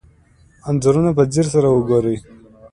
انځورونه په ځیر سره وګورئ.